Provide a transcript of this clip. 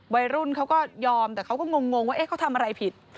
วัยรุ่นเขาก็ยอมแต่เขาก็งงว่าเขาทำอะไรผิด